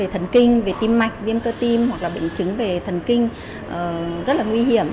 thần kinh về tim mạch viêm cơ tim hoặc là bệnh chứng về thần kinh rất là nguy hiểm